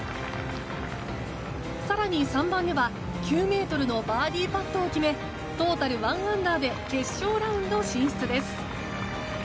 更に３番では９ｍのバーディーパットを決めトータル１アンダーで決勝ラウンド進出です。